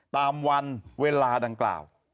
ตามวันเวลาดังกล่าว